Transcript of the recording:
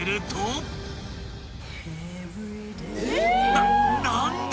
［な何だ